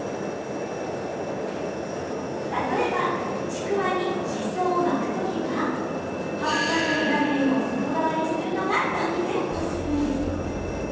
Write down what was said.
例えば、ちくわにしそを巻くときは葉っぱの裏面を外側にするのが断然おすすめです。